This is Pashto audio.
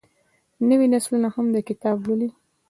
نوې نسلونه هم دا کتاب لولي.